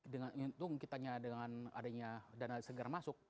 dengan hitung kita dengan adanya dana segera masuk